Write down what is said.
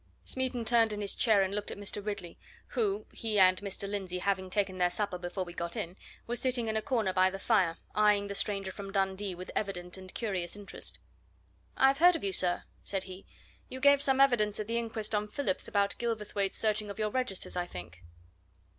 Smeaton turned in his chair and looked at Mr. Ridley, who he and Mr. Lindsey having taken their supper before we got in was sitting in a corner by the fire, eyeing the stranger from Dundee with evident and curious interest. "I've heard of you, sir," said he. "You gave some evidence at the inquest on Phillips about Gilverthwaite's searching of your registers, I think?"